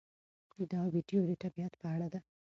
دا ویډیو د طبیعت په اړه ده.